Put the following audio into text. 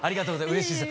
うれしいです。